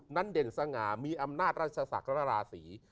นั้นเด่นสง่ามีอำนาจราชศักดิ์ราศรี